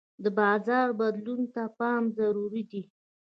د بازار بدلون ته پام ضروري دی.